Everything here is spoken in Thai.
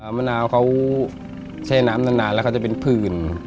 มะนาวเขาแช่น้ำนานแล้วเขาจะเป็นผื่น